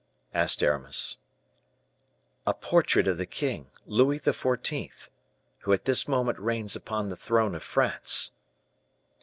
asked Aramis. "A portrait of the king, Louis XIV., who at this moment reigns upon the throne of France."